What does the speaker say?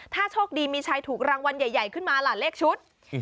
ถ้าโชคดีมีชายถูกรางวัลใหญ่ขึ้นมาล่ะเลขชุด